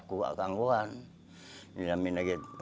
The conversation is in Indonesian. jibamping saya tidak mengolah